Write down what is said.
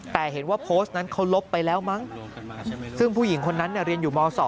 แต่เห็นว่าโพสต์นั้นเขาลบไปแล้วมั้งซึ่งผู้หญิงคนนั้นเรียนอยู่ม๒